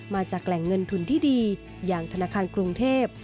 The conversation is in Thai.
มาจากแหล่งเงินทุนที่ดีอย่างธนาคารกรุงเทพ